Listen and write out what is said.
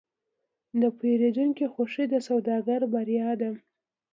د پیرودونکي خوښي د سوداګر بریا ده.